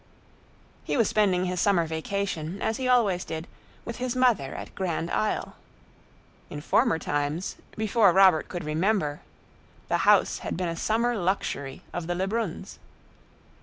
He was spending his summer vacation, as he always did, with his mother at Grand Isle. In former times, before Robert could remember, "the house" had been a summer luxury of the Lebruns.